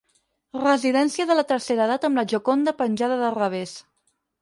Residència de la tercera edat amb la Gioconda penjada del revés.